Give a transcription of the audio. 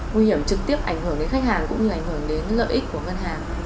nguy hiểm trực tiếp ảnh hưởng đến khách hàng cũng như ảnh hưởng đến lợi ích của ngân hàng